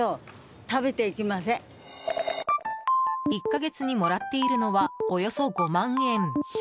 １か月にもらっているのはおよそ５万円。